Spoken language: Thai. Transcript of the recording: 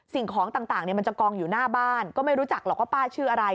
สิ่งของต่างมันจะกองอยู่หน้าบ้านก็ไม่รู้จักหรอกว่าป้าชื่ออะไร